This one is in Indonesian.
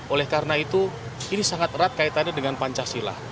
oleh karena itu ini sangat erat kaitannya dengan pancasila